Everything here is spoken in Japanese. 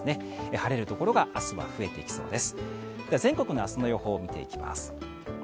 晴れるところが明日は増えてきそうです。